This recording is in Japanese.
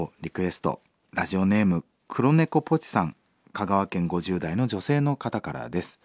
香川県５０代の女性の方からです。